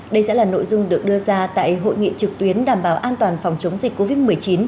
đây sẽ là nội dung được đưa ra tại hội nghị trực tuyến đảm bảo an toàn phòng chống dịch covid một mươi chín